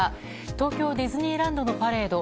東京ディズニーランドのパレード